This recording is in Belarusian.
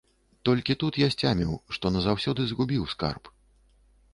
Толькі тут я сцяміў, што назаўсёды згубіў скарб.